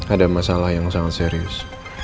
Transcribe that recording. ada masalah yang sangat serius